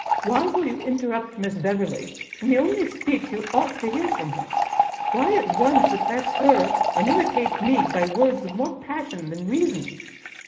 Why will you interrupt Miss Beverley in the only speech you ought to hear from her? Why, at once, oppress her, and irritate me, by words of more passion than reason?